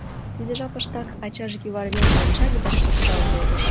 Тиде жапыштак ачаже кӱвар велке ончале да шыргыжал колтыш.